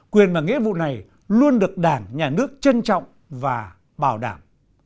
quyền và nghĩa vụ này luôn được đảng nhà nước trân trọng và bảo đảm